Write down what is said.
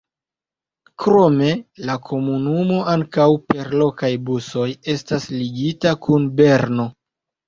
Krome la komunumo ankaŭ per lokaj busoj estas ligita kun Berno.